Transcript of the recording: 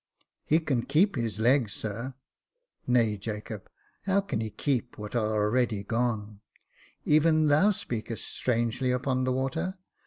*' He can keep his legs, sir." "Nay, Jacob; how can he keep what are already gone f Even thou speakest strangely upon the water.